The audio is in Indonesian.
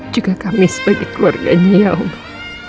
juga kami sebagai keluarganya ya allah